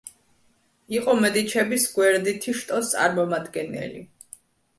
იყო მედიჩების გვერდითი შტოს წარმომადგენელი.